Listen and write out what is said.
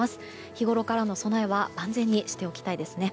日ごろからの備えは万全にしておきたいですね。